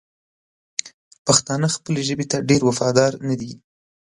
پښتانه خپلې ژبې ته ډېر وفادار ندي!